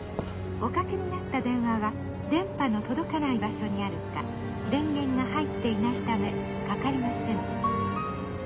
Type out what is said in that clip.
おかけになった電話は電波の届かない場所にあるか電源が入っていないためかかりません。